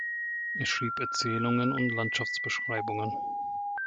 Er schrieb Erzählungen und Landschaftsbeschreibungen.